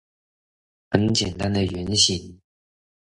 很簡單的原型